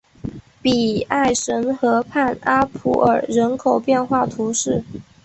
比埃什河畔阿普尔人口变化图示